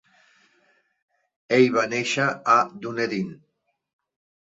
Ell va néixer a Dunedin.